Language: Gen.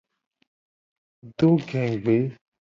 Do gegbe.